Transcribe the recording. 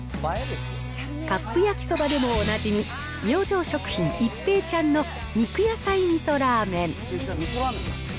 カップ焼きそばでもおなじみ、明星食品一平ちゃんの肉野菜みそラーメン。